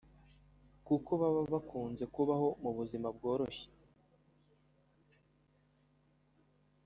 kuko baba bakunze kubaho mu buzima bworoshye